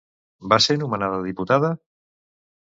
Va ser nomenada diputada?